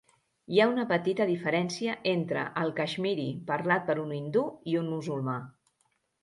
Hi ha una petita diferència entre el caixmiri parlat per un hindú i un musulmà.